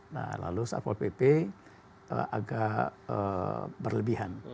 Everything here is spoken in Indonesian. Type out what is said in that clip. nah lalu satpol pp agak berlebihan